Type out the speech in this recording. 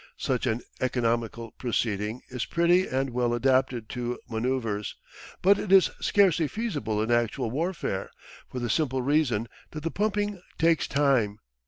Such an economical proceeding is pretty and well adapted to manoeuvres, but it is scarcely feasible in actual warfare, for the simple reason that the pumping takes time.